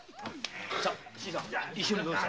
さ新さん一緒にどうです。